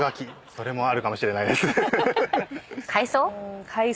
それもあるかもしれないです。